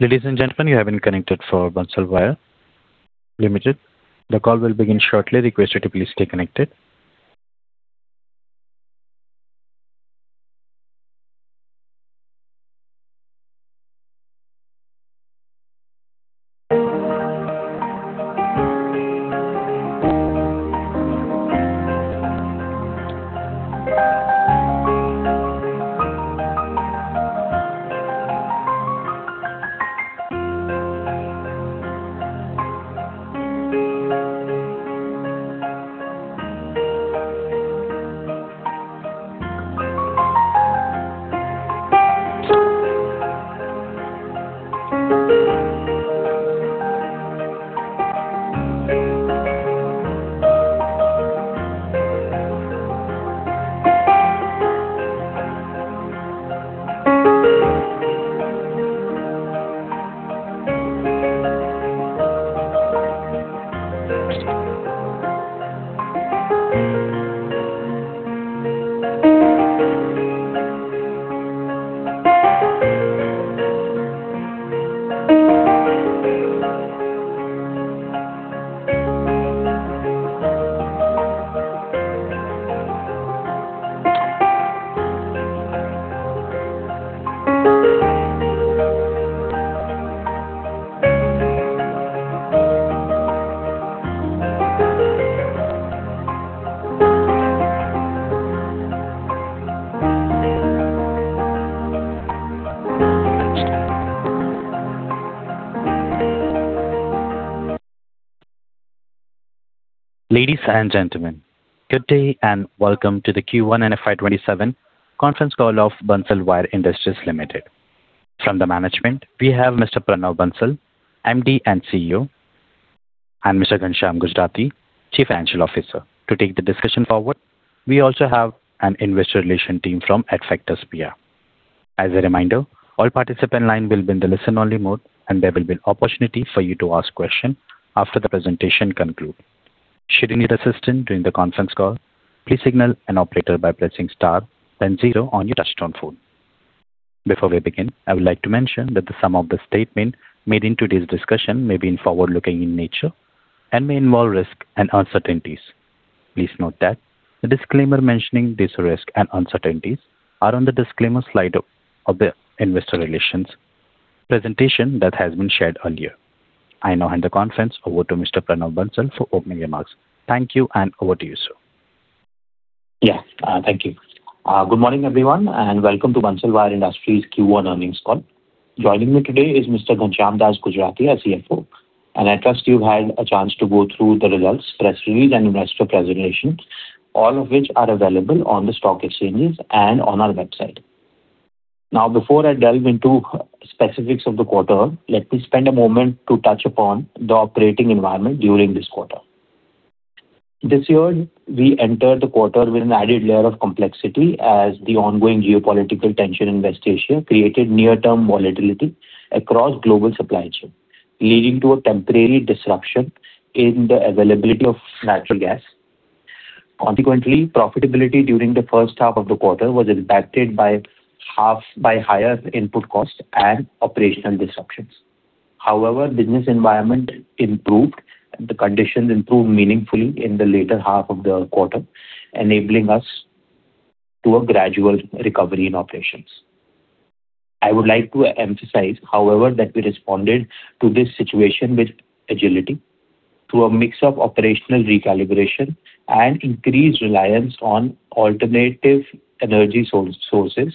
Ladies and gentlemen, you have been connected for Bansal Wire Limited. The call will begin shortly. Requested to please stay connected. Ladies and gentlemen, good day and welcome to the Q1 and FY 2027 conference call of Bansal Wire Industries Limited. From the management, we have Mr. Pranav Bansal, MD and CEO, and Mr. Ghanshyam Gujrati, Chief Financial Officer. To take the discussion forward, we also have an investor relation team from Adfactors PR. As a reminder, all participant line will be in the listen-only mode, and there will be opportunity for you to ask question after the presentation conclude. Should you need assistance during the conference call, please signal an operator by pressing star then zero on your touchtone phone. Before we begin, I would like to mention that some of the statement made in today's discussion may be forward-looking in nature and may involve risk and uncertainties. Please note that the disclaimer mentioning this risk and uncertainties are on the disclaimer slide of the investor relations presentation that has been shared earlier. I now hand the conference over to Mr. Pranav Bansal for opening remarks. Thank you, and over to you, sir. Yeah. Thank you. Good morning, everyone, and welcome to Bansal Wire Industries Limited Q1 earnings call. Joining me today is Mr. Ghanshyam Gujrati, our CFO. I trust you've had a chance to go through the results, press release, and investor presentations, all of which are available on the stock exchanges and on our website. Before I delve into specifics of the quarter, let me spend a moment to touch upon the operating environment during this quarter. This year, we entered the quarter with an added layer of complexity as the ongoing geopolitical tension in West Asia created near-term volatility across global supply chain, leading to a temporary disruption in the availability of natural gas. Consequently, profitability during the first half of the quarter was impacted by higher input costs and operational disruptions. However, business environment improved. The conditions improved meaningfully in the later half of the quarter, enabling us to a gradual recovery in operations. I would like to emphasize, however, that we responded to this situation with agility. Through a mix of operational recalibration and increased reliance on alternative energy sources,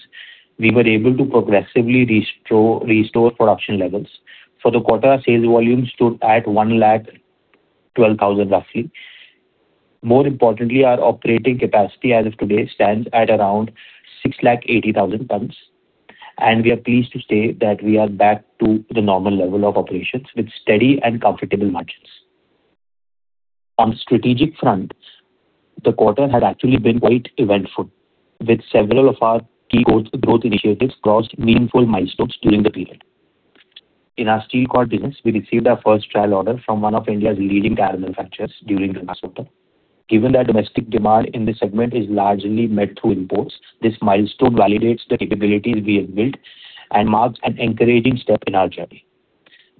we were able to progressively restore production levels. For the quarter, our sales volume stood at 112,000, roughly. More importantly, our operating capacity as of today stands at around 680,000 tonnes, and we are pleased to say that we are back to the normal level of operations with steady and comfortable margins. On strategic front, the quarter had actually been quite eventful, with several of our key growth initiatives crossed meaningful milestones during the period. In our Steel Cord business, we received our first trial order from one of India's leading tire manufacturers during the last quarter. Given that domestic demand in this segment is largely met through imports, this milestone validates the capabilities we have built and marks an encouraging step in our journey.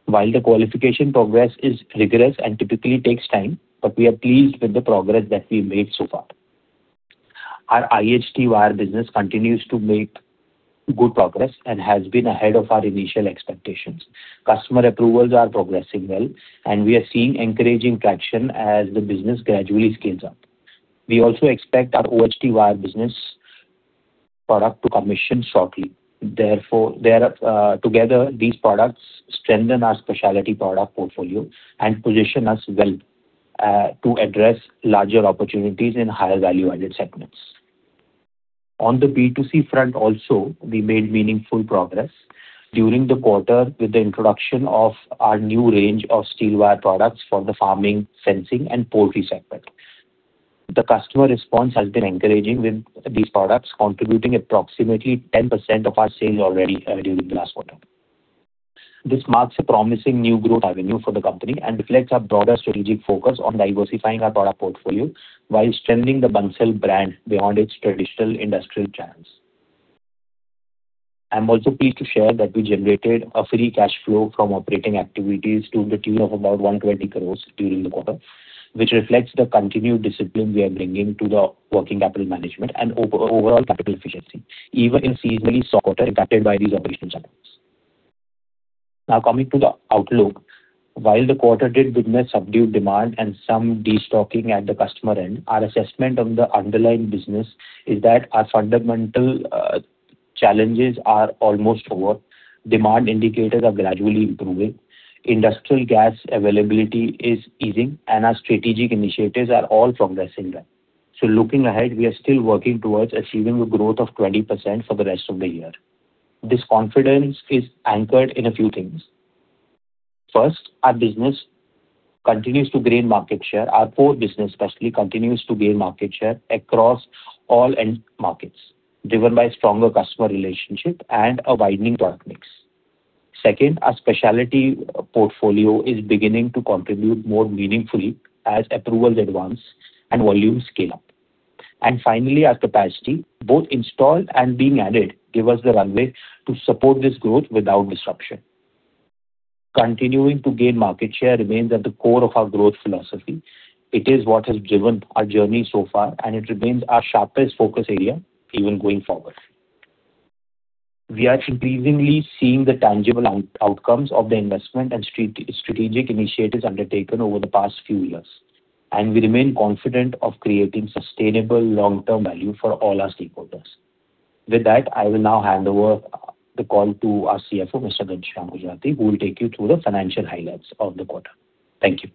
While the qualification progress is rigorous and typically takes time, we are pleased with the progress that we've made so far. Our IHT wire business continues to make good progress and has been ahead of our initial expectations. Customer approvals are progressing well, and we are seeing encouraging traction as the business gradually scales up. We also expect our OHT wire business product to commission shortly. Together, these products strengthen our specialty product portfolio and position us well to address larger opportunities in higher value-added segments. On the B2C front also, we made meaningful progress during the quarter with the introduction of our new range of steel wire products for the Farming, Fencing, and Poultry segment. The customer response has been encouraging with these products contributing approximately 10% of our sales already during the last quarter. This marks a promising new growth avenue for the company and reflects our broader strategic focus on diversifying our product portfolio while strengthening the Bansal brand beyond its traditional industrial channels. I'm also pleased to share that we generated a free cash flow from operating activities to the tune of about 120 crore during the quarter, which reflects the continued discipline we are bringing to the working capital management and overall capital efficiency, even in seasonally softer impacted by these operational challenges. Coming to the outlook. While the quarter did witness subdued demand and some de-stocking at the customer end, our assessment of the underlying business is that our fundamental challenges are almost over. Demand indicators are gradually improving. Industrial gas availability is easing, our strategic initiatives are all progressing well. Looking ahead, we are still working towards achieving a growth of 20% for the rest of the year. This confidence is anchored in a few things. First, our business continues to gain market share. Our core business especially continues to gain market share across all end markets, driven by stronger customer relationship and a widening product mix. Second, our specialty portfolio is beginning to contribute more meaningfully as approvals advance and volumes scale up. Finally, our capacity, both installed and being added, give us the runway to support this growth without disruption. Continuing to gain market share remains at the core of our growth philosophy. It is what has driven our journey so far, and it remains our sharpest focus area even going forward. We are increasingly seeing the tangible outcomes of the investment and strategic initiatives undertaken over the past few years, we remain confident of creating sustainable long-term value for all our stakeholders. With that, I will now hand over the call to our CFO, Mr. Ghanshyam Gujrati, who will take you through the financial highlights of the quarter. Thank you.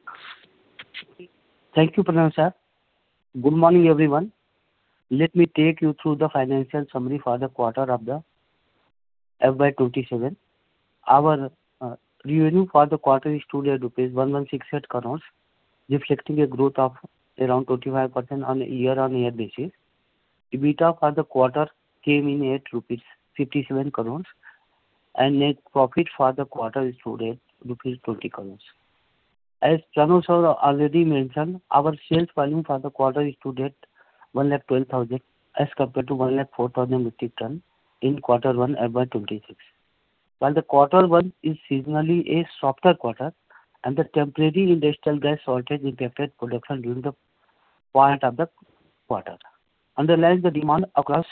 Thank you, Pranav. Good morning, everyone. Let me take you through the financial summary for the quarter of the FY 2027. Our revenue for the quarter is 1,168 crore rupees, reflecting a growth of around 35% on a year-over-year basis. EBITDA for the quarter came in at 57 crore, and net profit for the quarter is rupees 20 crore. As Pranav already mentioned, our sales volume for the quarter is to date 112,000 as compared to 104,050 tonnes in quarter one FY 2026. While the quarter one is seasonally a softer quarter and the temporary industrial gas shortage impacted production during the part of the quarter, underlying the demand across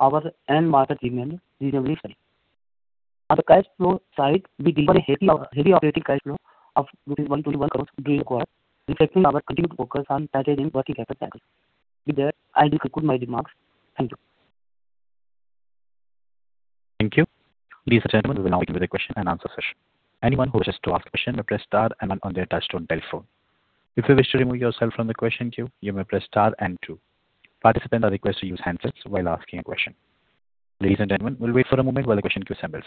our end market remained reasonably same. On the cash flow side, we delivered a healthy operating cash flow of rupees 121 crore during the quarter, reflecting our continued focus on managing working capital cycle. With that, I will conclude my remarks. Thank you. Thank you. Ladies and gentlemen, we will now begin with the question and answer session. Anyone who wishes to ask a question may press star and one on their touchtone telephone. If you wish to remove yourself from the question queue, you may press star and two. Participants are requested to use handsets while asking a question. Ladies and gentlemen, we'll wait for a moment while the question queue assembles.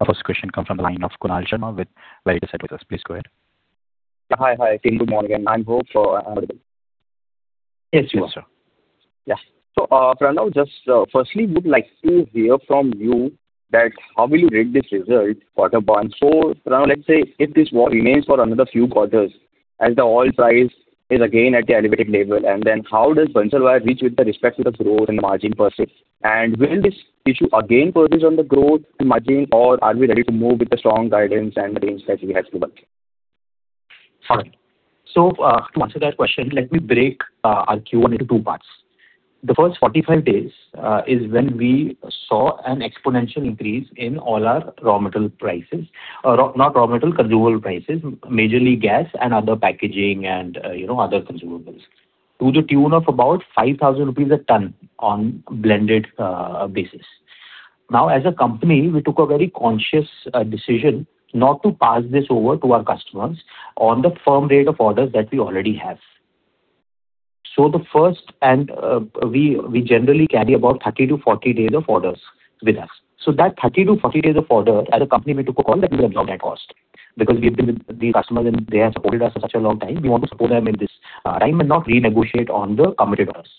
Our first question comes from the line of Kunal Sharma with Veritas Research. Please go ahead. Hi. Good morning. Am I audible? Yes, you are sir. Pranav, just firstly would like to hear from you that how will you rate this result quarter one? Pranav, let's say if this war remains for another few quarters as the oil price is again at the elevated level, how does Bansal Wire reach with respect to the growth and margin persist? Will this issue again persist on the growth and margin, or are we ready to move with the strong guidance and the range that we have given? All right. To answer that question, let me break our Q1 into two parts. The first 45 days is when we saw an exponential increase in all our raw material prices, not raw material, consumable prices, majorly gas and other packaging and other consumables to the tune of about 5,000 rupees a tonne on a blended basis. As a company, we took a very conscious decision not to pass this over to our customers on the firm rate of orders that we already have. We generally carry about 30-40 days of orders with us. That 30-40 days of order as a company, we took a call that we will absorb that cost because we have been with these customers and they have supported us for such a long time. We want to support them in this time and not renegotiate on the committed orders.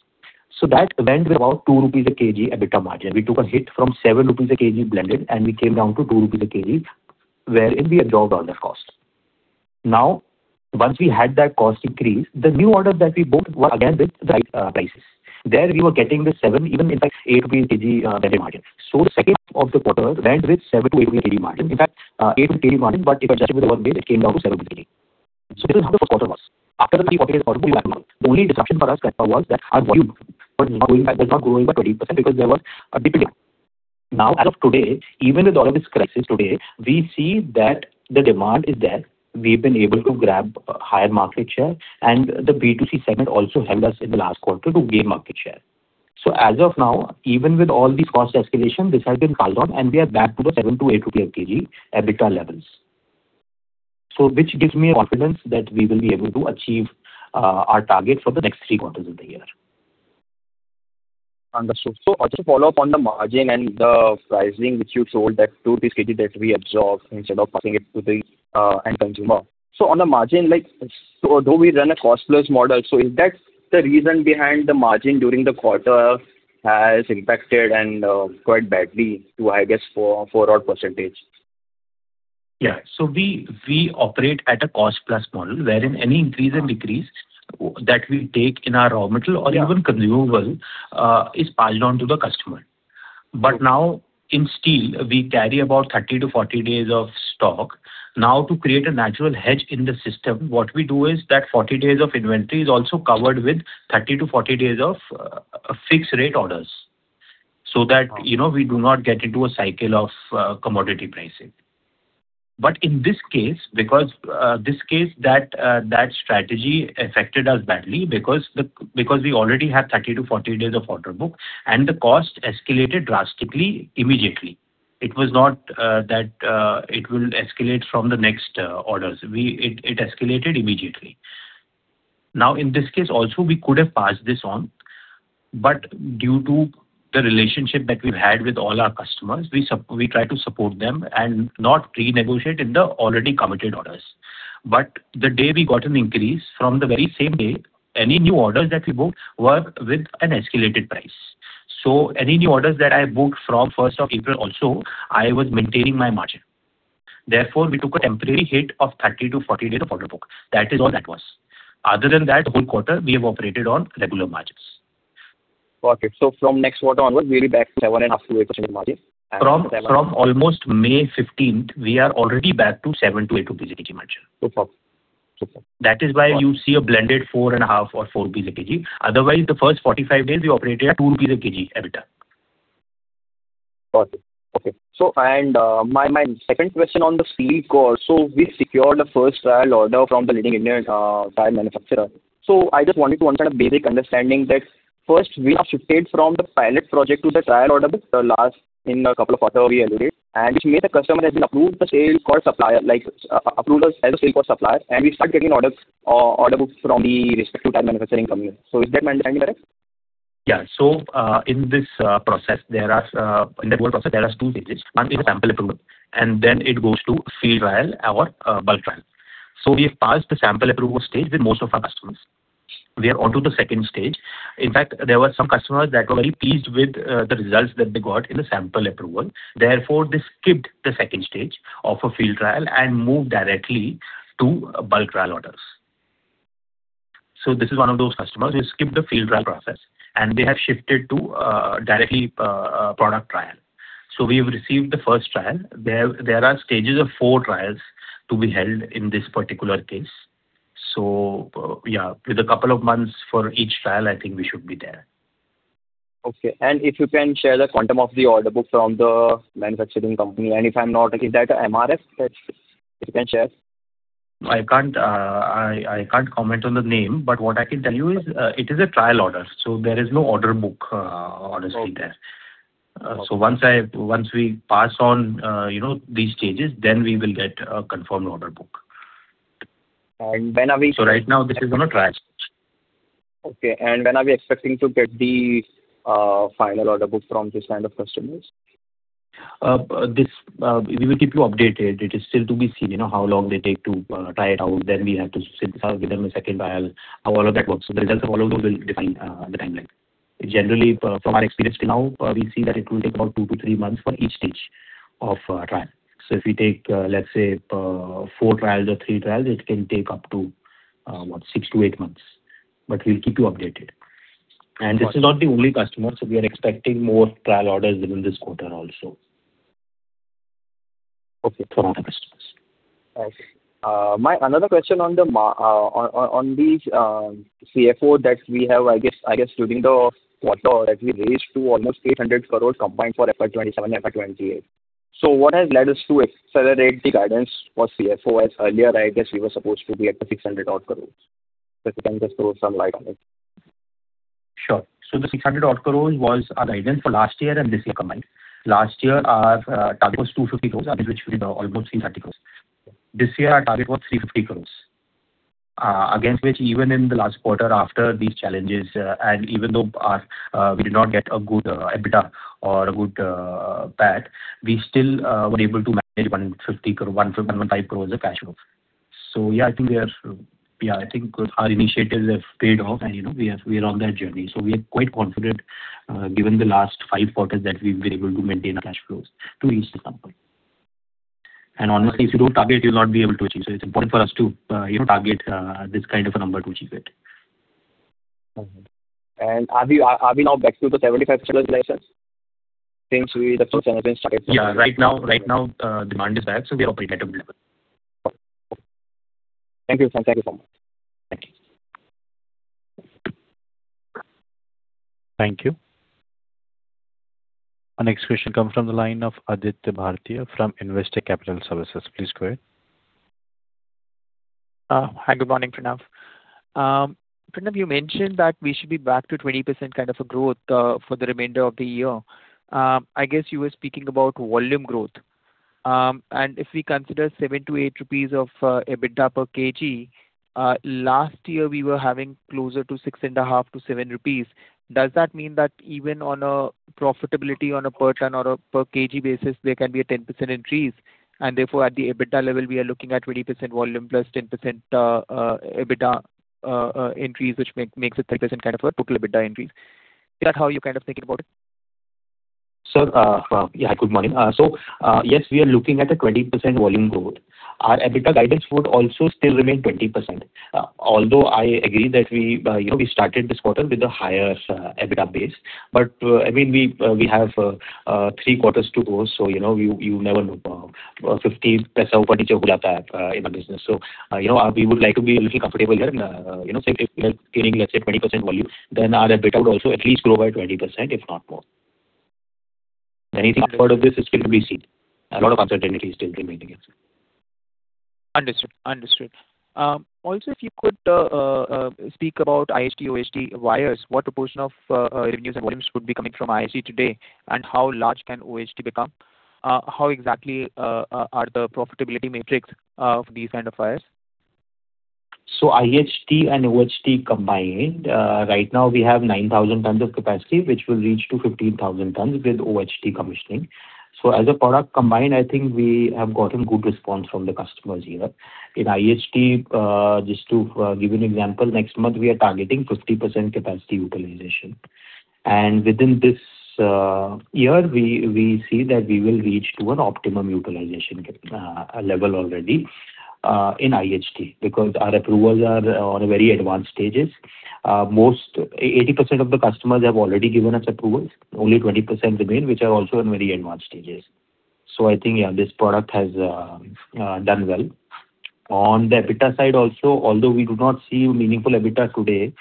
That went with about 2 rupees a kg EBITDA margin. We took a hit from 7 rupees a kg blended, we came down to 2 rupees a kg, wherein we absorbed all that cost. Once we had that cost increase, the new orders that we booked were again with the right prices. There we were getting the 7 kg, even in fact INR 8 a kg EBITDA margin. The second half of the quarter went with 7-8 a kg margin. In fact, 8 a kg margin, but if adjusted with the work day, it came down to 7 a kg. This is how the first quarter was. After the 30-40 days, quarter two back to normal. The only disruption for us was that our volume was not growing by 20% because there was a dip in demand. As of today, even with all of this crisis today, we see that the demand is there. We've been able to grab higher market share, and the B2C segment also helped us in the last quarter to gain market share. As of now, even with all the cost escalation, this has been called on, and we are back to the 7-8 rupee a kg EBITDA levels. Which gives me a confidence that we will be able to achieve our target for the next three quarters of the year. Understood. Just to follow up on the margin and the pricing, which you told that INR 2 a kg that we absorbed instead of passing it to the end consumer. On a margin, do we run a cost-plus model? Is that the reason behind the margin during the quarter has impacted and quite badly to, I guess, odd 4%? We operate at a cost-plus model wherein any increase and decrease that we take in our raw material or even consumable is passed on to the customer. In steel, we carry about 30-40 days of stock. To create a natural hedge in the system, what we do is that 40 days of inventory is also covered with 30-40 days of fixed rate orders, so that we do not get into a cycle of commodity pricing. In this case, that strategy affected us badly because we already had 30-40 days of order book, and the cost escalated drastically immediately. It was not that it will escalate from the next orders. It escalated immediately. In this case also, we could have passed this on, but due to the relationship that we've had with all our customers, we try to support them and not renegotiate in the already committed orders. The day we got an increase, from the very same day, any new orders that we book were with an escalated price. Any new orders that I booked from first of April also, I was maintaining my margin. Therefore, we took a temporary hit of 30-40 days of order book. That is all that was. Other than that, the whole quarter we have operated on regular margins. Got it. From next quarter onwards, we will be back 7.5%-8% in margin. From almost May 15th, we are already back to 7-8 rupees per kg margin. Super. That is why you see a blended 4.5 or 4 rupees a kg. Otherwise, the first 45 days we operated at 2 rupees a kg EBITDA. Got it. Okay. My second question on the Steel Cord. We secured the first trial order from the leading Indian tire manufacturer. I just wanted to understand a basic understanding that first we have shifted from the pilot project to the trial order book last in a couple of quarter we elevated, which means the customer has been approved the Steel Cord supplier, like approved us as a Steel Cord supplier, and we start getting an order book from the respective tire manufacturing company. Is that understanding correct? In that whole process, there are two stages. One is a sample approval, then it goes to field trial or bulk trial. We have passed the sample approval stage with most of our customers. We are onto the second stage. In fact, there were some customers that were very pleased with the results that they got in the sample approval. Therefore, they skipped the second stage of a field trial, moved directly to bulk trial orders. This is one of those customers who skipped the field trial process, they have shifted to directly product trial. We have received the first trial. There are stages of four trials to be held in this particular case. Yeah, with a couple of months for each trial, I think we should be there. If you can share the quantum of the order book from the manufacturing company, Is that a MRF? If you can share. I can't comment on the name, what I can tell you is it is a trial order, there is no order book honestly there. Okay. Once we pass on these stages, we will get a confirmed order book. When are we- Right now this is on a trial stage. Okay. When are we expecting to get the final order book from this kind of customers? We will keep you updated. It is still to be seen, how long they take to try it out, then we have to synthesize, give them a second trial, how all of that works. The results of all of those will define the timeline. Generally, from our experience till now, we see that it will take about two to three months for each stage of a trial. If we take, let's say, four trials or three trials, it can take up to six to eight months. We'll keep you updated. This is not the only customer, we are expecting more trial orders within this quarter also. Okay. From other customers. My another question on the CFO that we have, I guess during the quarter that we raised to almost 800 crore combined for FY 2027 and FY 2028. What has led us to accelerate the guidance for CFO as earlier, I guess we were supposed to be at the 600 odd crore. If you can just throw some light on it. Sure. The 600 odd crore was our guidance for last year and this year combined. Last year, our target was 250 crore, out of which we did almost 330 crore. This year, our target was 350 crore. Against which even in the last quarter after these challenges, and even though we did not get a good EBITDA or a good PAT, we still were able to manage 150- 155 crore of cash flow. Yeah, I think our initiatives have paid off, and we are on that journey. We are quite confident, given the last five quarters that we've been able to maintain our cash flows to reach the number. Honestly, if you don't target, you'll not be able to achieve. It's important for us to target this kind of a number to achieve it. Are we now back to the 75%+ utilization since we the first generation started? Yeah. Right now demand is there, we are operating at that level. Okay. Thank you. Thank you so much. Thank you. Thank you. Our next question comes from the line of Aditya Bhartia from Investec Capital Services. Please go ahead. Hi, good morning, Pranav. Pranav, you mentioned that we should be back to 20% kind of a growth for the remainder of the year. I guess you were speaking about volume growth. If we consider 7-8 rupees of EBITDA per kg, last year we were having closer to 6.5-7 rupees. Does that mean that even on a profitability on a per tonne or a per kg basis, there can be a 10% increase, and therefore at the EBITDA level we are looking at 20% volume plus 10% EBITDA increase, which makes it 10% kind of a total EBITDA increase? Is that how you're kind of thinking about it? Sir, yeah, good morning. Yes, we are looking at a 20% volume growth. Our EBITDA guidance would also still remain 20%. Although I agree that we started this quarter with a higher EBITDA base. We have three quarters to go, so you never know. in our business. We would like to be a little comfortable here. If we are gaining, let's say, 20% volume, our EBITDA would also at least grow by 20%, if not more. Anything apart of this is still to be seen. A lot of uncertainty is still remaining here. Understood. Also, if you could speak about IHT, OHT wires, what proportion of revenues and volumes would be coming from IHT today, and how large can OHT become? How exactly are the profitability metrics of these kind of wires? IHT and OHT combined, right now we have 9,000 tonnes of capacity, which will reach to 15,000 tonnes with OHT commissioning. As a product combined, I think we have gotten good response from the customers here. In IHT, just to give you an example, next month we are targeting 50% capacity utilization. Within this year, we see that we will reach to an optimum utilization level already in IHT, because our approvals are on a very advanced stages. 80% of the customers have already given us approvals. Only 20% remain, which are also in very advanced stages. I think, this product has done well. On the EBITDA side also, although we do not see meaningful EBITDA today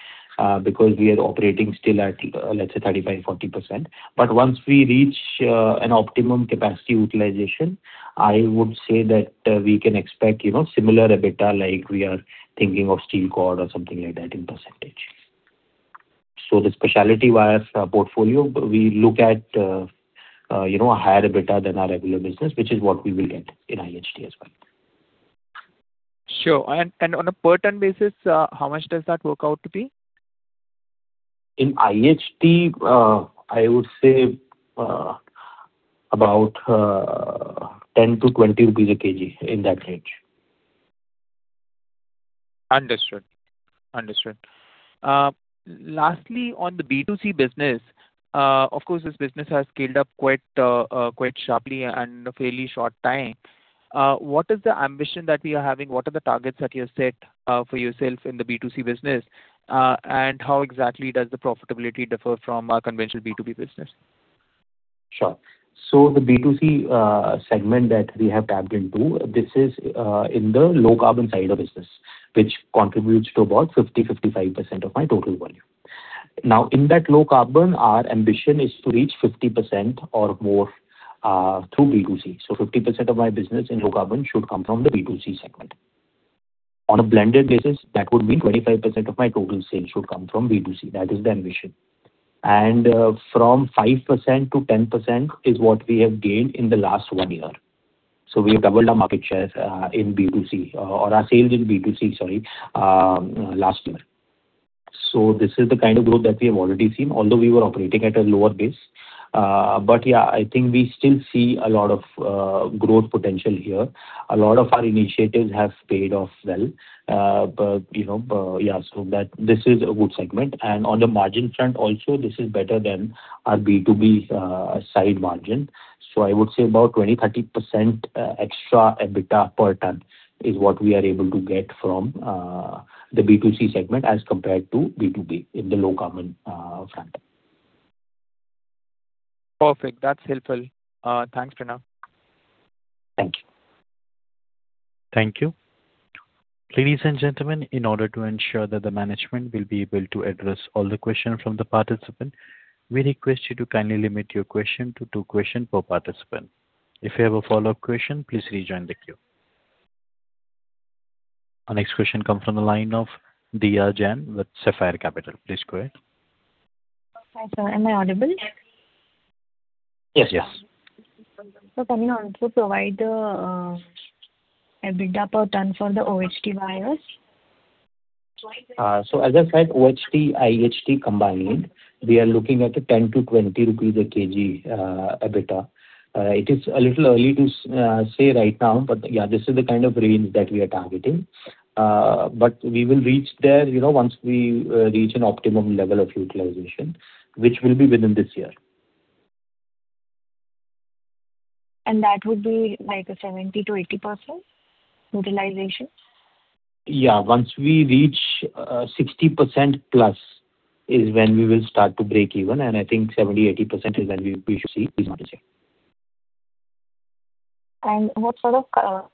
because we are operating still at, let's say, 35%, 40%. Once we reach an optimum capacity utilization, I would say that we can expect similar EBITDA, like we are thinking of Steel Cord or something like that in percentage. The specialty wires portfolio, we look at a higher EBITDA than our regular business, which is what we will get in IHT as well. Sure. On a per tonne basis, how much does that work out to be? In IHT, I would say about 10-20 rupees a kg, in that range. Understood. Lastly, on the B2C business, of course this business has scaled up quite sharply and in a fairly short time. What is the ambition that we are having? What are the targets that you have set for yourself in the B2C business? How exactly does the profitability differ from a conventional B2B business? The B2C segment that we have tapped into, this is in the low carbon side of the business, which contributes to about 50%-55% of my total volume. In that low carbon, our ambition is to reach 50% or more through B2C. 50% of my business in low carbon should come from the B2C segment. On a blended basis, that would mean 25% of my total sales should come from B2C. That is the ambition. From 5%-10% is what we have gained in the last one year. We have doubled our market share in B2C, or our sales in B2C, sorry, last year. This is the kind of growth that we have already seen, although we were operating at a lower base. Yeah, I think we still see a lot of growth potential here. A lot of our initiatives have paid off well. This is a good segment. On the margin front also, this is better than our B2B side margin. I would say about 20%-30% extra EBITDA per tonne is what we are able to get from the B2C segment as compared to B2B in the low carbon front. Perfect. That's helpful. Thanks, Pranav. Thank you. Thank you. Ladies and gentlemen, in order to ensure that the management will be able to address all the questions from the participants, we request you to kindly limit your question to two question per participant. If you have a follow-up question, please rejoin the queue. Our next question comes from the line of Deeya Jain with Sapphire Capital. Please go ahead. Hi, sir. Am I audible? Yes. Can you also provide the EBITDA per tonne for the OHT wires? As I said, OHT, IHT combined, we are looking at a 10-20 rupees a kg EBITDA. It is a little early to say right now, but this is the kind of range that we are targeting. We will reach there once we reach an optimum level of utilization, which will be within this year. That would be like a 70%-80% utilization? Yeah. Once we reach 60%+ is when we will start to break even, and I think 70%-80% is when we should see utilization. What sort of-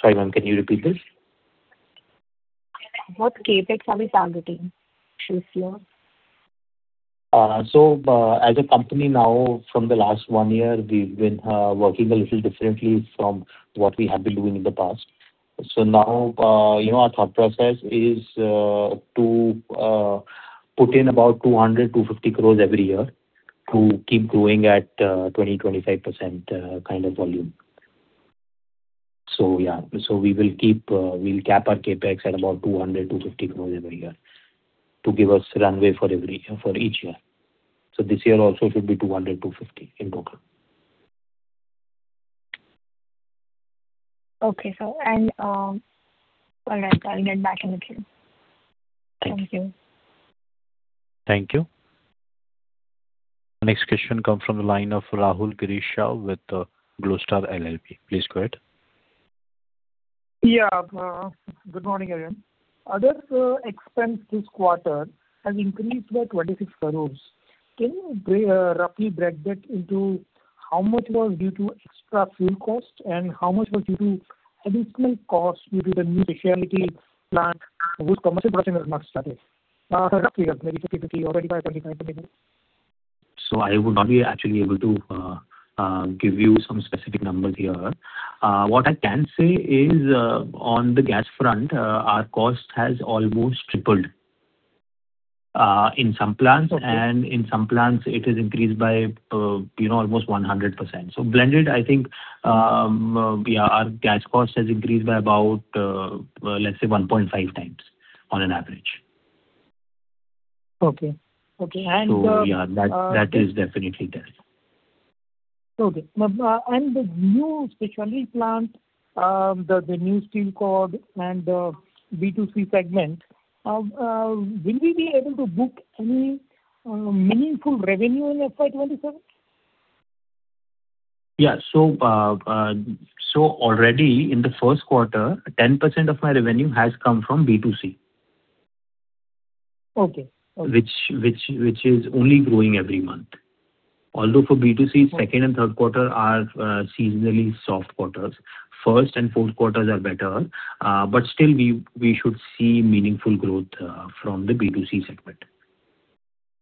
Sorry, ma'am, can you repeat please? What CapEx are we targeting this year? As a company now from the last one year, we've been working a little differently from what we have been doing in the past. Now, our thought process is to put in about 200 crore-250 crore every year to keep growing at 20%-25% kind of volume. We'll cap our CapEx at about 200 crore-250 crore every year to give us runway for each year. This year also should be 200 crore-250 crore in total. Okay, sir. All right. I'll get back in the queue. Thank you. Thank you. Thank you. The next question comes from the line of Rahul Girish Shah with Glostar LLP. Please go ahead. Good morning, everyone. Other expense this quarter has increased by 26 crore. Can you roughly break that into how much was due to extra fuel cost and how much was due to additional cost due to the new specialty plant whose commercial version has not started? Roughly, maybe 50/50 or 85/25. I would not be actually able to give you some specific numbers here. What I can say is, on the gas front, our cost has almost tripled in some plants. Okay. In some plants it has increased by almost 100%. Blended, I think, our gas cost has increased by about, let's say, 1.5x on an average. Okay. Yeah, that is definitely there. Okay. The new specialty plant, the Steel Cord and the B2C segment, will we be able to book any meaningful revenue in FY 2027? Yeah. Already in the first quarter, 10% of my revenue has come from B2C. Okay. Which is only growing every month. Although for B2C, second and third quarter are seasonally soft quarters. First and fourth quarters are better. Still, we should see meaningful growth from the B2C segment.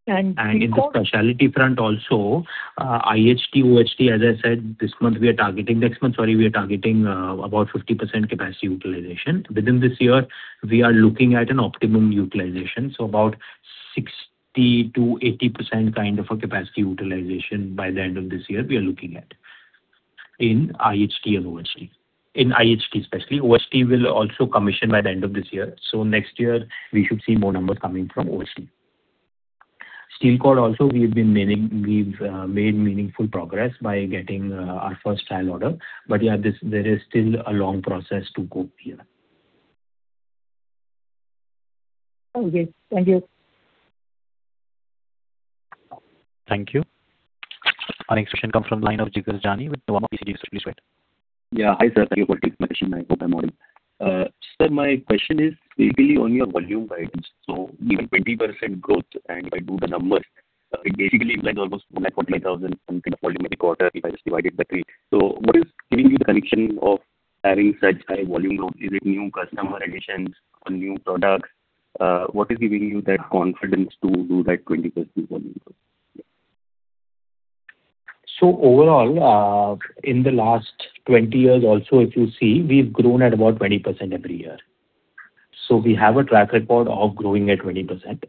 In the speciality front also, IHT, OHT, as I said, next month we are targeting about 50% capacity utilization. Within this year, we are looking at an optimum utilization, so about 60%-80% capacity utilization by the end of this year, we are looking at in IHT and OHT. In IHT especially. OHT will also commission by the end of this year. Next year, we should see more numbers coming from Steel Cord also, we've made meaningful progress by getting our first trial order. Yeah, there is still a long process to go here. Okay. Thank you. Thank you. Our next question comes from the line of Jigar Jani with Nuvama PCG. Please go ahead. Yeah. Hi, sir. Thank you for taking my question. Good morning. Sir, my question is basically only on volume guidance. Even 20% growth, and if I do the numbers, it basically implies almost 145,000 something volume every quarter if I just divide it by three. What is giving you the conviction of having such high volume growth? Is it new customer additions or new products? What is giving you that confidence to do that 20% volume growth? Overall, in the last 20 years also, if you see, we've grown at about 20% every year. We have a track record of growing at 20%.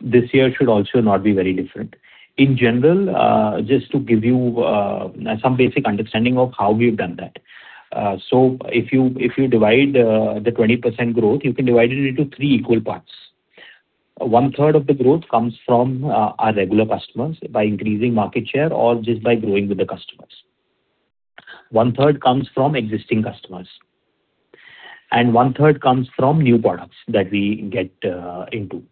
This year should also not be very different. In general, just to give you some basic understanding of how we've done that. If you divide the 20% growth, you can divide it into three equal parts. One third of the growth comes from our regular customers by increasing market share or just by growing with the customers. One third comes from existing customers, and one third comes from new products that we get into.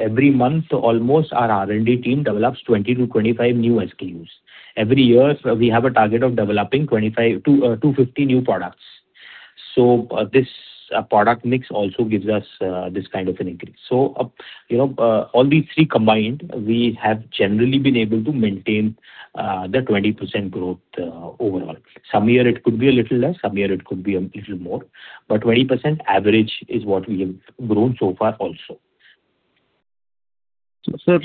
Every month, almost our R&D team develops 20-25 new SKUs. Every year, we have a target of developing 250 new products. This product mix also gives us this kind of an increase. All these three combined, we have generally been able to maintain the 20% growth overall. Some year it could be a little less, some year it could be a little more, but 20% average is what we have grown so far also. Sir,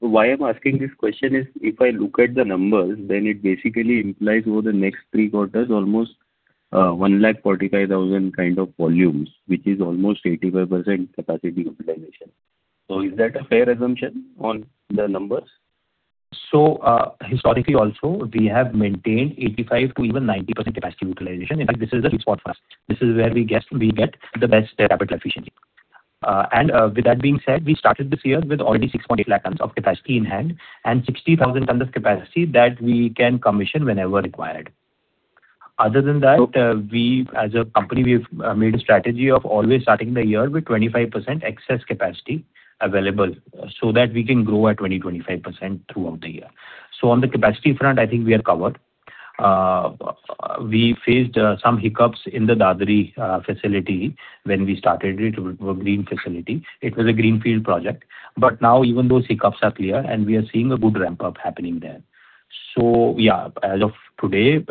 why I'm asking this question is if I look at the numbers, then it basically implies over the next three quarters almost 145,000 volumes, which is almost 85% capacity utilization. Is that a fair assumption on the numbers? Historically also, we have maintained 85%-90% capacity utilization. In fact, this is the sweet spot for us. This is where we get the best capital efficiency. With that being said, we started this year with already 6.8 lakh tonnes of capacity in hand and 60,000 tonnes of capacity that we can commission whenever required. Okay. As a company, we've made a strategy of always starting the year with 25% excess capacity available so that we can grow at 20%-25% throughout the year. On the capacity front, I think we are covered. We faced some hiccups in the Dadri facility when we started it, a green facility. It was a greenfield project. Now even those hiccups are clear, and we are seeing a good ramp-up happening there. Yeah, as of today,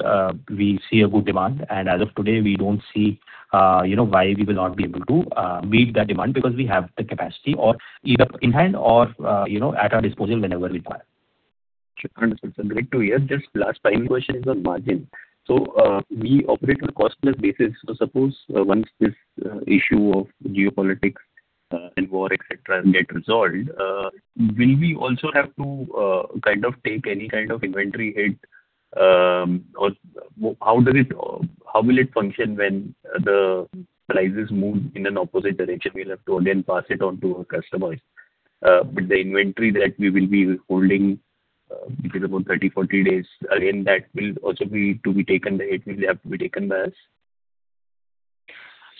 we see a good demand, and as of today, we don't see why we will not be able to meet that demand because we have the capacity either in hand or at our disposal whenever required. Sure. Understood, sir. Great to hear. Just last tiny question is on margin. We operate on a cost-plus basis. Suppose once this issue of geopolitics and war, et cetera, get resolved, will we also have to take any kind of inventory hit? How will it function when the prices move in an opposite direction? We'll have to again pass it on to our customers. The inventory that we will be holding, which is about 30-40 days, again, that will also have to be taken by us.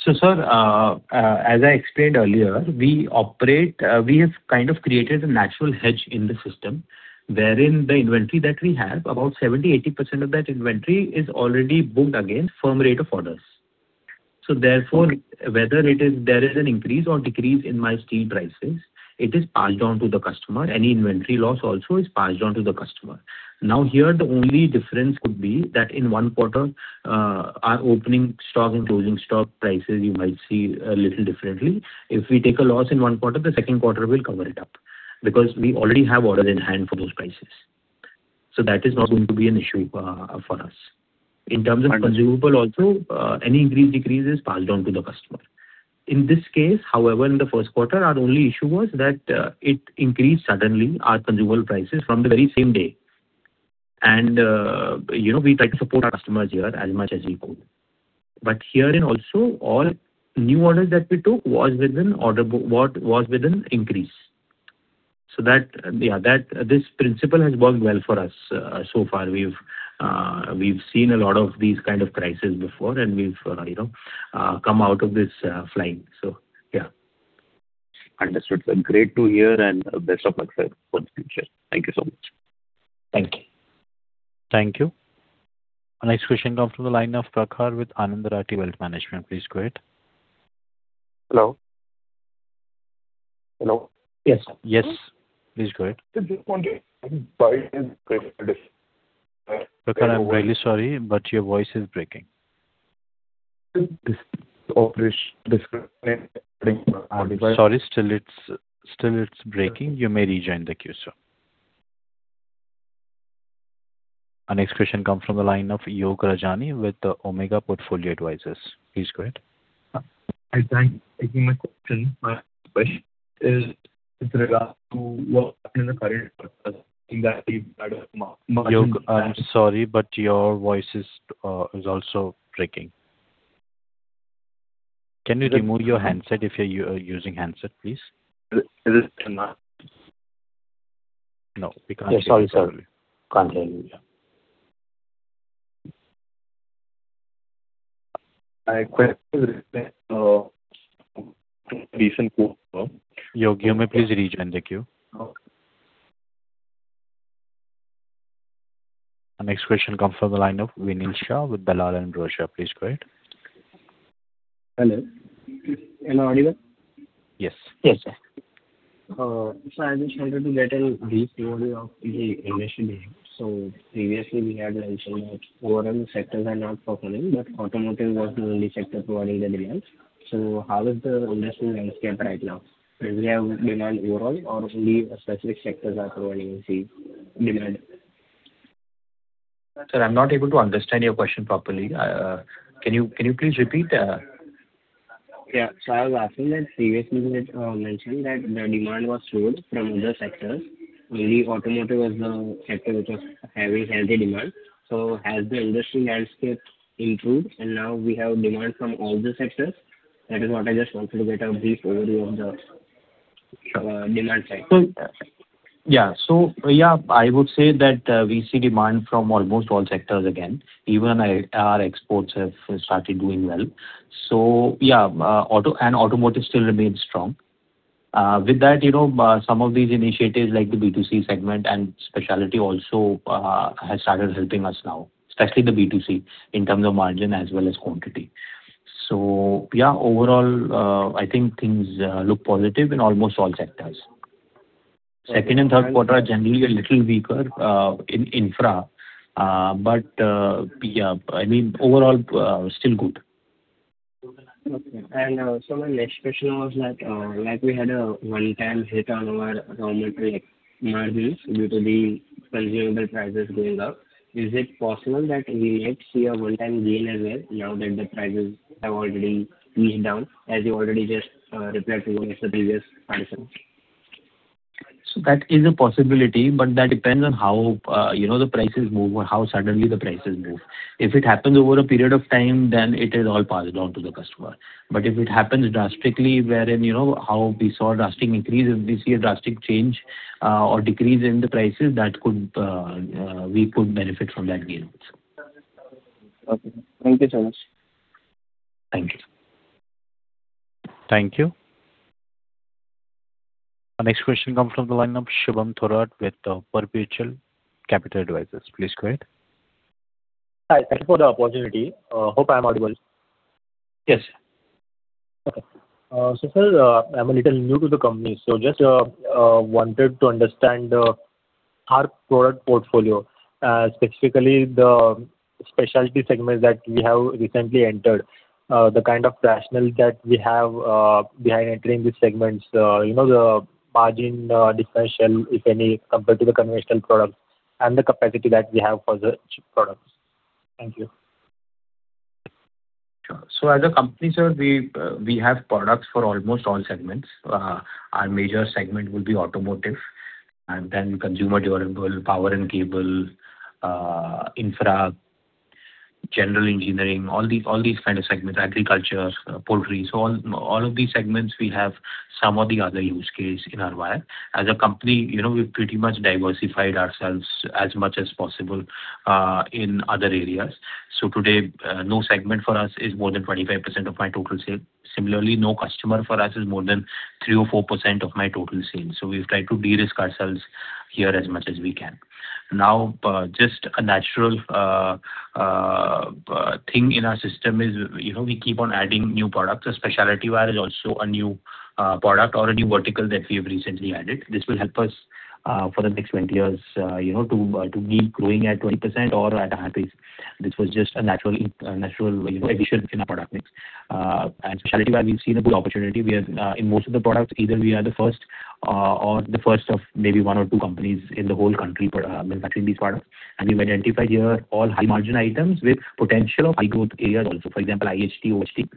Sir, as I explained earlier, we have kind of created a natural hedge in the system, wherein the inventory that we have, about 70%-80% of that inventory is already booked against firm rate of orders. Okay. Whether there is an increase or decrease in my steel prices, it is passed on to the customer. Any inventory loss also is passed on to the customer. Here the only difference could be that in one quarter, our opening stock and closing stock prices, you might see a little differently. If we take a loss in one quarter, the second quarter will cover it up, because we already have orders in hand for those prices. That is not going to be an issue for us. In terms of consumable also, any increase, decrease is passed on to the customer. In this case, however, in the first quarter, our only issue was that it increased suddenly, our consumable prices from the very same day. We tried to support our customers here as much as we could. Herein also, all new orders that we took was with an increase. This principle has worked well for us so far. We've seen a lot of these kinds of crises before, and we've come out of this flying. Yeah. Understood. Great to hear and best of luck, sir, for the future. Thank you so much. Thank you. Thank you. Our next question comes from the line of Prakhar with Anand Rathi Wealth Management. Please go ahead. Hello? Hello? Yes. Please go ahead. Prakhar, I'm really sorry, but your voice is breaking. Sorry, still it's breaking. You may rejoin the queue, sir. Our next question comes from the line of Yog Rajani with Omega Portfolio Advisors. Please go ahead. Hi. Thank you for taking my question. My question is with regard to- Yog, I'm sorry, your voice is also breaking. Can you remove your handset if you're using handset, please? No, we can't hear you. Sorry, sir. We can't hear you. My question is- Yog, you may please rejoin the queue. Okay. Our next question comes from the line of Vinil Shah with Dalal & Broacha. Please go ahead. Hello. Am I audible? Yes. Yes, sir. Sir, I just wanted to get a brief overview of the industry. Previously we had mentioned that overall sectors are not performing, but automotive was the only sector providing the demand. How is the industry landscape right now? Is there demand overall or only specific sectors are providing the demand? Sir, I'm not able to understand your question properly. Can you please repeat? Yeah. I was asking that previously you had mentioned that the demand was slow from other sectors. Only automotive was the sector which was having healthy demand. Has the industry landscape improved and now we have demand from all the sectors? That is what I just wanted to get a brief overview of the demand side. Yeah. I would say that we see demand from almost all sectors again, even our exports have started doing well. Automotive still remains strong. With that, some of these initiatives like the B2C segment and specialty also have started helping us now, especially the B2C in terms of margin as well as quantity. Yeah, overall, I think things look positive in almost all sectors. Second and third quarter are generally a little weaker in infra. Yeah, overall still good. Okay. Sir, my next question was that, we had a one-time hit on our raw material margins due to the consumable prices going up. Is it possible that we might see a one-time gain as well now that the prices have already eased down, as you already just replied to one of the previous participants? That is a possibility, that depends on how the prices move or how suddenly the prices move. If it happens over a period of time, it is all passed on to the customer. If it happens drastically, wherein how we saw a drastic increase, if we see a drastic change or decrease in the prices, we could benefit from that gain also. Okay. Thank you so much. Thank you. Thank you. Our next question comes from the line of Shubham Thorat with Perpetual Capital Advisors. Please go ahead. Hi. Thank you for the opportunity. Hope I'm audible. Yes. Okay. Sir, I'm a little new to the company. Just wanted to understand our product portfolio, specifically the Specialty Wire segment that we have recently entered, the kind of rationale that we have behind entering these segments, the margin differential, if any, compared to the conventional product, and the capacity that we have for the chip products. Thank you. Sure. As a company, sir, we have products for almost all segments. Our major segment will be automotive and then consumer durable, power and cable, infra, General engineering, all these kind of segments, agriculture, poultry. All of these segments will have some or the other use case in our wire. As a company, we've pretty much diversified ourselves as much as possible in other areas. Today, no segment for us is more than 25% of my total sale. Similarly, no customer for us is more than 3% or 4% of my total sales. We've tried to de-risk ourselves here as much as we can. Now, just a natural thing in our system is we keep on adding new products. Specialty Wire is also a new product or a new vertical that we've recently added. This will help us for the next 20 years to keep growing at 20% or at a high pace. This was just a natural addition in our product mix. At Specialty Wire, we've seen a good opportunity. In most of the products, either we are the first or the first of maybe one or two companies in the whole country manufacturing these products. We've identified here all high-margin items with potential of high-growth areas also. For example, IHT, OHT,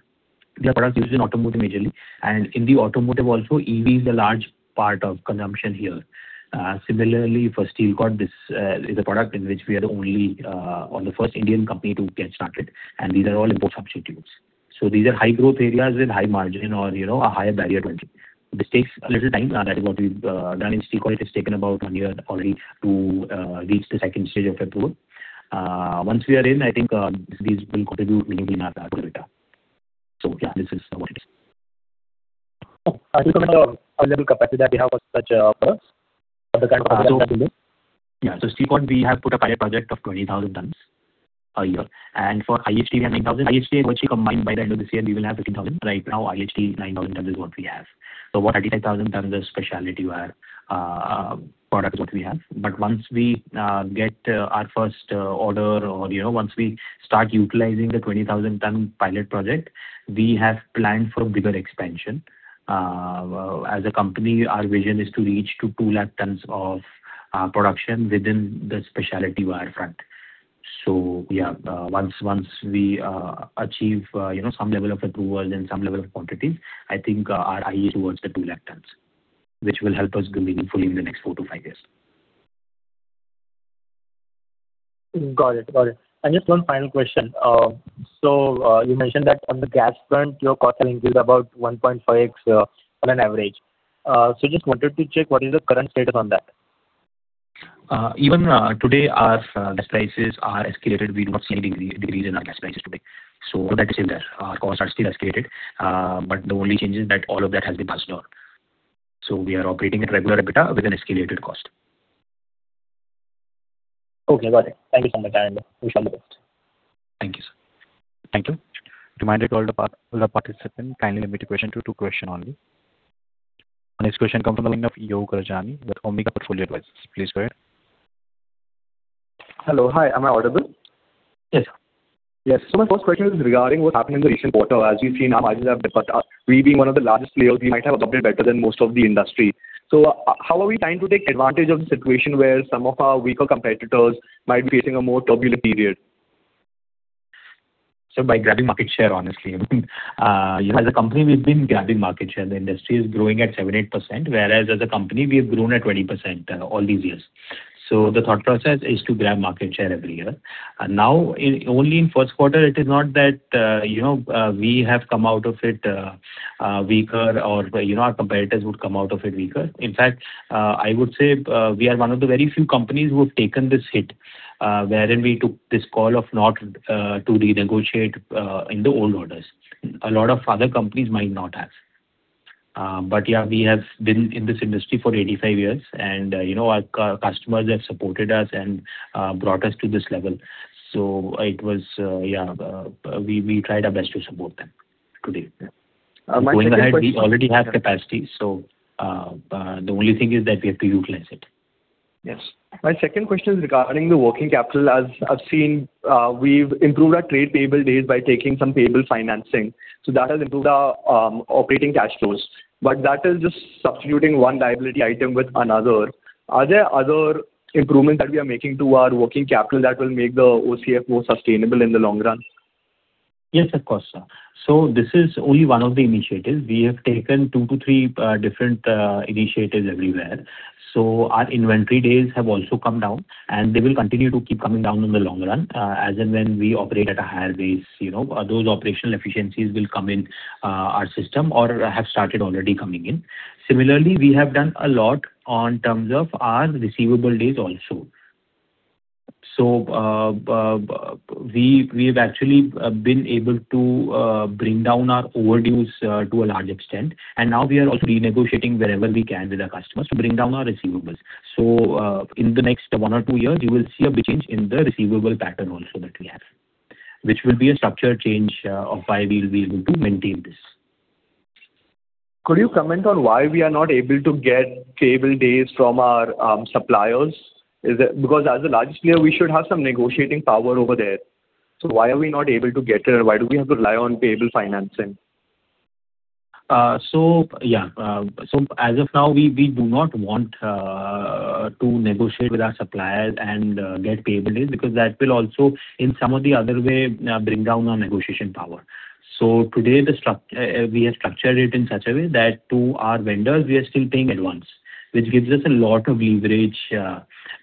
they are products used in automotive majorly, and in the automotive also, EV is a large part of consumption here. Similarly, Steel Cord, this is a product in which we are the first Indian company to get started, and these are all import substitutes. These are high-growth areas with high-margin or a higher barrier to entry, which takes a little time. That is what we've done in Steel Cord. It's taken about one year already to reach the two stage of approval. Once we are in, I think these will contribute meaningfully in our EBITDA. Yeah, this is what it is. Can you comment on available capacity that we have for such products? For the kind of products that you do. Yeah. Steel Cord, we have put a pilot project of 20,000 tonnes a year. For IHT, we have 9,000. IHT Steel Cord combined, by the end of this year, we will have 13,000. Right now, IHT 9,000 tonnes is what we have. 35,000 tonnes is Specialty Wire products what we have. Once we get our first order or once we start utilizing the 20,000 tonne pilot project, we have planned for bigger expansion. As a company, our vision is to reach to 2 lakh tonnes of production within the Specialty Wire front. Yeah, once we achieve some level of approval, then some level of quantity, I think our eye is towards the 2 lakh tonnes, which will help us meaningfully in the next four to five years. Got it. Just one final question. You mentioned that on the gas front, your cost link is about 1.5x on an average. Just wanted to check what is the current status on that. Even today, our gas prices are escalated. We do not see any decrease in our gas prices today. All of that is in there. Our costs are still escalated, the only change is that all of that has been passed on. We are operating at regular EBITDA with an escalated cost. Okay, got it. Thank you so much. I wish all the best. Thank you, sir. Thank you. Reminder to all the participants, kindly limit your question to two question only. Our next question come from the line of Yog Rajani with Omega Portfolio Advisors. Please go ahead. Hello. Hi, am I audible? Yes. Yes. My first question is regarding what happened in the recent quarter. As we've seen, our margins have dipped. We, being one of the largest players, we might have a bit better than most of the industry. How are we trying to take advantage of the situation where some of our weaker competitors might be facing a more turbulent period? By grabbing market share, honestly. As a company, we've been grabbing market share. The industry is growing at 7%, 8%, whereas as a company, we have grown at 20% all these years. The thought process is to grab market share every year. Now, only in first quarter, it is not that we have come out of it weaker or our competitors would come out of it weaker. In fact, I would say we are one of the very few companies who have taken this hit, wherein we took this call of not to renegotiate in the old orders. A lot of other companies might not have. Yeah, we have been in this industry for 85 years, and our customers have supported us and brought us to this level. We tried our best to support them today. My second question. Going ahead, we already have capacity, so the only thing is that we have to utilize it. Yes. My second question is regarding the working capital. As I've seen, we've improved our trade payable days by taking some payable financing. That has improved our operating cash flows. That is just substituting one liability item with another. Are there other improvements that we are making to our working capital that will make the OCF more sustainable in the long run? Yes, of course, sir. This is only one of the initiatives. We have taken two to three different initiatives everywhere. Our inventory days have also come down, and they will continue to keep coming down in the long run, as and when we operate at a higher base. Those operational efficiencies will come in our system or have started already coming in. Similarly, we have done a lot on terms of our receivable days also. We've actually been able to bring down our overdues to a large extent, and now we are also renegotiating wherever we can with our customers to bring down our receivables. In the next one or two years, you will see a big change in the receivable pattern also that we have, which will be a structure change of why we will be able to maintain this. Could you comment on why we are not able to get payable days from our suppliers? Because as the largest player, we should have some negotiating power over there. Why are we not able to get there? Why do we have to rely on payable financing? Yeah. As of now, we do not want to negotiate with our suppliers and get payable days because that will also, in some of the other way, bring down our negotiation power. Today, we have structured it in such a way that to our vendors, we are still paying advance, which gives us a lot of leverage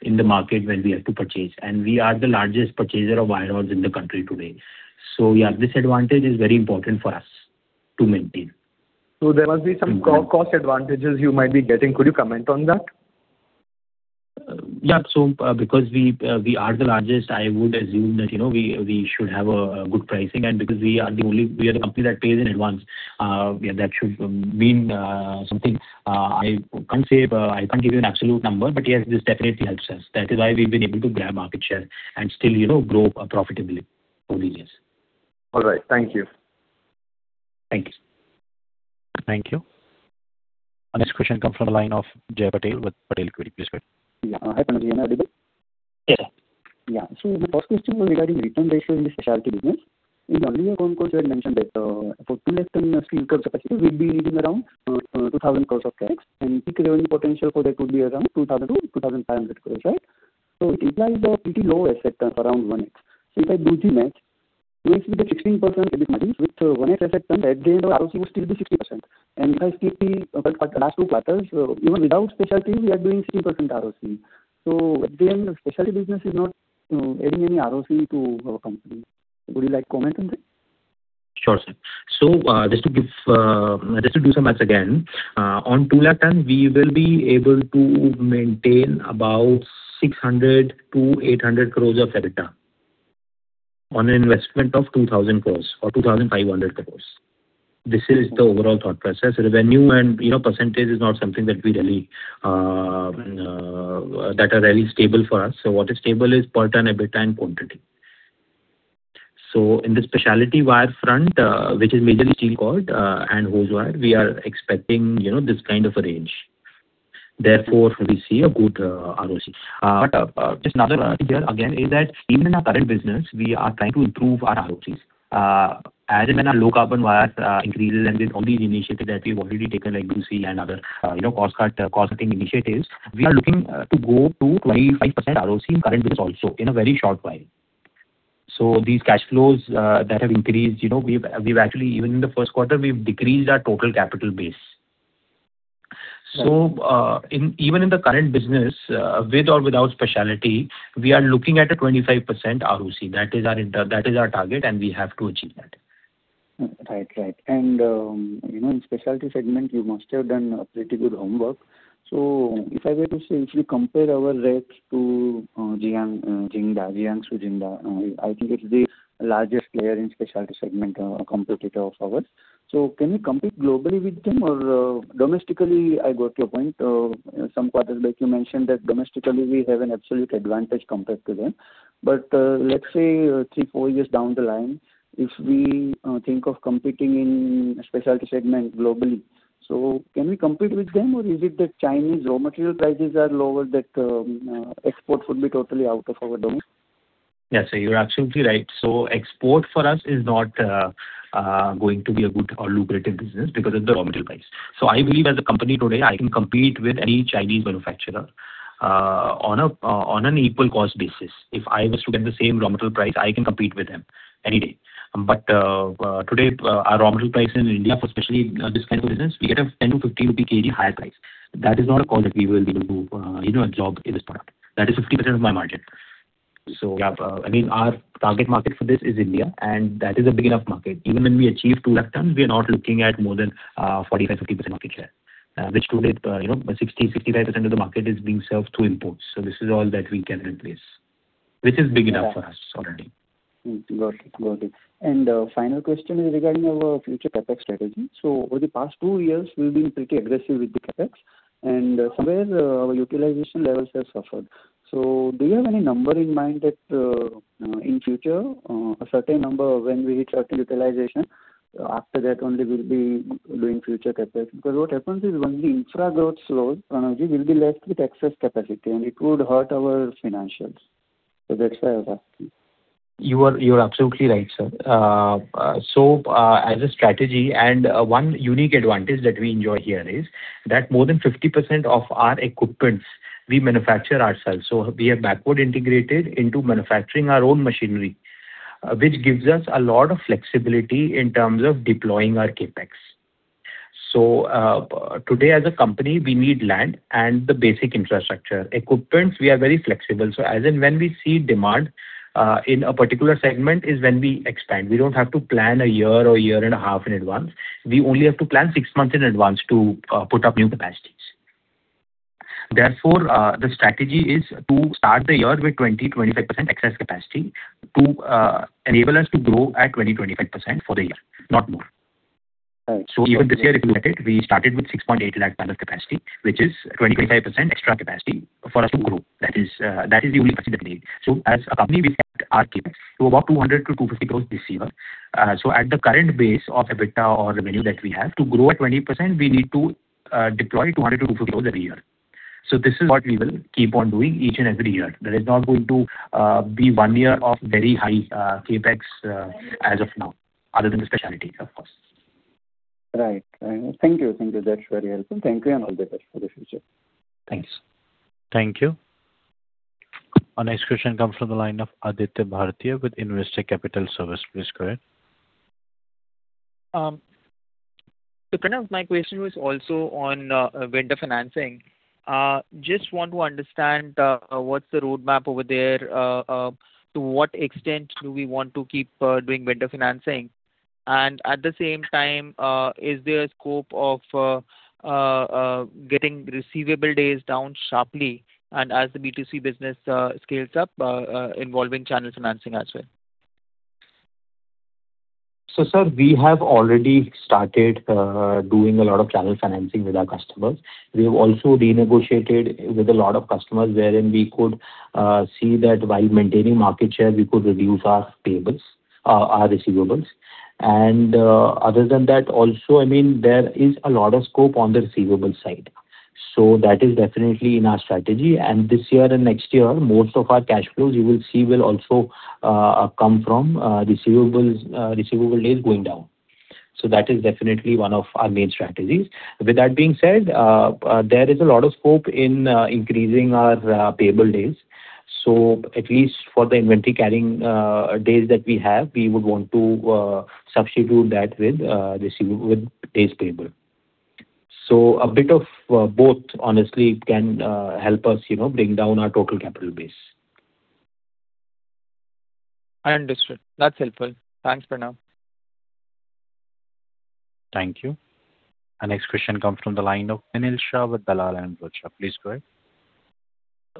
in the market when we have to purchase. We are the largest purchaser of wire rods in the country today. Yeah, this advantage is very important for us to maintain. There must be some cost advantages you might be getting. Could you comment on that? Yeah. Because we are the largest, I would assume that we should have a good pricing and because we are the company that pays in advance, yeah, that should mean something. I can't give you an absolute number, but yes, this definitely helps us. That is why we've been able to grab market share and still grow profitability over the years. All right. Thank you. Thank you. Thank you. Our next question comes from the line of Jay Patel with Patel Equity. Please go ahead. Yeah. Hi, Pranav-ji. Am I audible? Yes, sir. My first question was regarding return ratio in the specialty business. In the earlier concall, you had mentioned that for 2 lakh tonnes steel capacity, we will be needing around 2,000 crore of CapEx, and peak revenue potential for that could be around 2,000 crore-2,500 crore, right? It implies a pretty low asset turn around 1x. If I do the math, even with a 16% EBITDA margin with 1x asset turn, at the end, our ROCE will still be 16%. If I see the last two quarters, even without specialty, we are doing 3% ROCE. At the end, the specialty business is not adding any ROCE to our company. Would you like comment on that? Sure, sir. Just to do some math again, on 2 lakh tonnes, we will be able to maintain about 600 crore-800 crore of EBITDA on an investment of 2,000 crore or 2,500 crore. This is the overall thought process. Revenue and percentage is not something that are really stable for us. What is stable is per tonne EBITDA and quantity. In the specialty wire front, which is majorly Steel Cord and hose wire, we are expecting this kind of a range. Therefore, we see a good ROCE. Just another point here again is that even in our current business, we are trying to improve our ROCEs. As in when our low carbon wires increase and with all these initiatives that we have already taken, like B2C and other cost-cutting initiatives, we are looking to go to 25% ROCE in current business also in a very short while. These cash flows that have increased, even in the first quarter, we have decreased our total capital base. Even in the current business, with or without specialty, we are looking at a 25% ROCE. That is our target, and we have to achieve that. Right. In specialty segment, you must have done a pretty good homework. If I were to say, if we compare our rates to Jiangsu Xingda, I think it is the largest player in specialty segment competitor of ours. Can we compete globally with them? Domestically, I got your point. Some quarters back, you mentioned that domestically, we have an absolute advantage compared to them. Let's say three, four years down the line, if we think of competing in specialty segment globally, can we compete with them, or is it that Chinese raw material prices are lower, that export would be totally out of our domain? Yes. You're absolutely right. Export for us is not going to be a good or lucrative business because of the raw material price. I believe as a company today, I can compete with any Chinese manufacturer on an equal cost basis. If I was to get the same raw material price, I can compete with them any day. Today, our raw material price in India for especially this kind of business, we get an 10 to 15 rupee kg higher price. That is not a call that we will be able to jog in this product. That is 50% of my margin. Yes, our target market for this is India, and that is a big enough market. Even when we achieve 2 lakh tonnes, we are not looking at more than 45%-50% market share, which today, 60%-65% of the market is being served through imports. This is all that we can replace, which is big enough for us already. Got it. Final question is regarding our future CapEx strategy. Over the past two years, we've been pretty aggressive with the CapEx, and somewhere our utilization levels have suffered. Do you have any number in mind that in future, a certain number when we hit certain utilization, after that only we'll be doing future CapEx? Because what happens is when the infra growth slows, Pranav-ji, we'll be left with excess capacity, and it could hurt our financials. That's why I was asking. You are absolutely right, sir. As a strategy and one unique advantage that we enjoy here is that more than 50% of our equipments we manufacture ourselves. We are backward integrated into manufacturing our own machinery, which gives us a lot of flexibility in terms of deploying our CapEx. Today as a company, we need land and the basic infrastructure. Equipments, we are very flexible. As and when we see demand in a particular segment is when we expand. We don't have to plan a year or year and a half in advance. We only have to plan six months in advance to put up new capacities. Therefore, the strategy is to start the year with 20%-25% excess capacity to enable us to grow at 20%-25% for the year, not more. Right. Even this year, if you look at it, we started with 6.8 lakh balance capacity, which is 20%-25% extra capacity for us to grow. That is the only capacity that we need. As a company, we set our CapEx to about INR 200 crore-INR 250 crore this year. At the current base of EBITDA or revenue that we have, to grow at 20%, we need to deploy INR 200 crore-INR 250 crore every year. This is what we will keep on doing each and every year. There is not going to be one year of very high CapEx as of now, other than the specialty segment. Right. Thank you. That's very helpful. Thank you, and all the best for the future. Thanks. Thank you. Our next question comes from the line of Aditya Bhartia with Investec Capital Services. Please go ahead. Pranav, my question was also on vendor financing. Just want to understand what's the roadmap over there. To what extent do we want to keep doing vendor financing? At the same time, is there a scope of getting receivable days down sharply and as the B2C business scales up, involving channel financing as well? Sir, we have already started doing a lot of channel financing with our customers. We have also renegotiated with a lot of customers wherein we could see that while maintaining market share, we could reduce our receivables. Other than that, also, there is a lot of scope on the receivable side. That is definitely in our strategy. This year and next year, most of our cash flows you will see will also come from receivable days going down. That is definitely one of our main strategies. With that being said, there is a lot of scope in increasing our payable days. At least for the inventory carrying days that we have, we would want to substitute that with days payable. A bit of both honestly can help us bring down our total capital base. I understood. That's helpful. Thanks, Pranav. Thank you. Our next question comes from the line of Anil Shah with Dalal & Broacha. Please go ahead.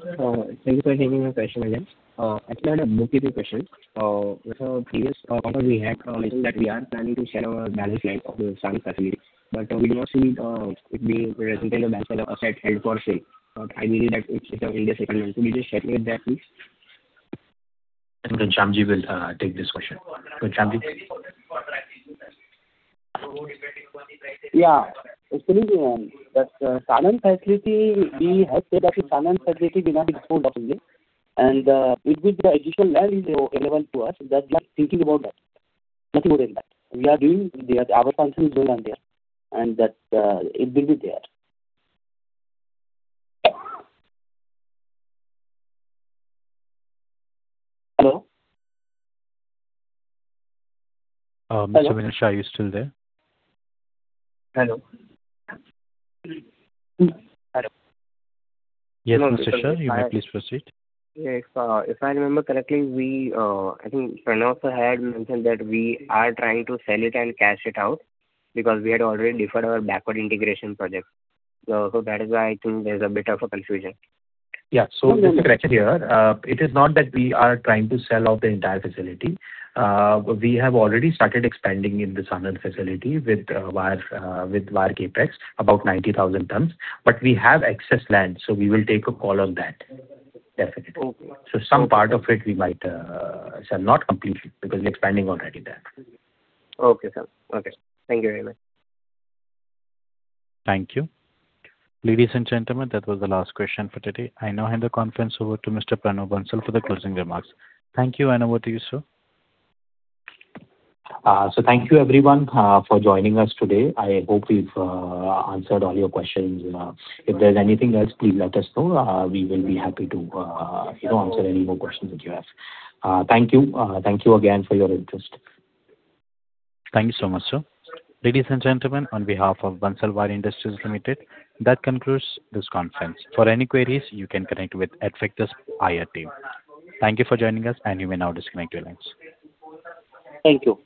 Thank you for taking my question again. Actually, I had multiple questions. With our previous call, we had knowledge that we are planning to sell our balance line of the Sanand facility, but we do not see it being presented as an asset held for sale. I believe that it's in the second one. Could you just share with that, please? Shyam-ji will take this question. Go ahead, Shyam-ji. Sanand facility, we have said that Sanand facility we have expanded, and with the additional land available to us, that we are thinking about that. Nothing more than that. We are doing our function going on there, and that it will be there. Hello? Mr. Anil Shah, are you still there? Hello? Hello? Yes, Mr. Shah, you may please proceed. Yes. If I remember correctly, I think Pranav sir had mentioned that we are trying to sell it and cash it out because we had already deferred our backward integration project. That is why I think there's a bit of a confusion. Yeah. Correction here. It is not that we are trying to sell off the entire facility. We have already started expanding in the Sanand facility with wire CapEx, about 90,000 tonnes, but we have excess land, we will take a call on that. Definitely. Okay. Some part of it we might sell, not completely, because we're expanding already there. Okay, sir. Okay. Thank you very much. Thank you. Ladies and gentlemen, that was the last question for today. I now hand the conference over to Mr. Pranav Bansal for the closing remarks. Thank you, and over to you, sir. Thank you everyone for joining us today. I hope we've answered all your questions. If there's anything else, please let us know. We will be happy to answer any more questions that you have. Thank you. Thank you again for your interest. Thank you so much, sir. Ladies and gentlemen, on behalf of Bansal Wire Industries Limited, that concludes this conference. For any queries, you can connect with Adfactors IR team. Thank you for joining us, and you may now disconnect your lines. Thank you.